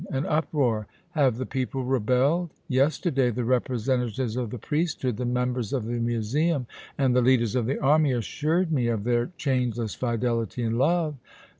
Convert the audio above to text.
An uproar! Have the people rebelled? Yesterday the representatives of the priesthood, the members of the museum, and the leaders of the army assured me of their changeless fidelity and love.